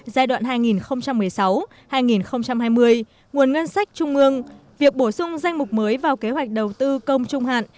giai đoạn hai nghìn một mươi sáu hai nghìn hai mươi nguồn ngân sách trung ương việc bổ sung danh mục mới vào kế hoạch đầu tư công trung hạn